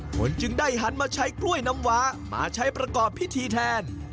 จึงได้หันมาใช้กล้วยน้ำว้ามาใช้ประกอบพิธีแทน